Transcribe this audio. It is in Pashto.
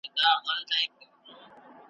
تاته رسیږي له خپله لاسه ,